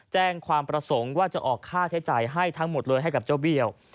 แจ้งความประสงค์ว่าจะออกค่าใช้จ่ายให้ทั้งหมดเลยให้กับเจ้าเบี้ยว